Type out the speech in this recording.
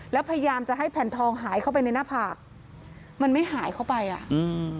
แล้วพยายามจะให้แผ่นทองหายเข้าไปในหน้าผากมันไม่หายเข้าไปอ่ะอืม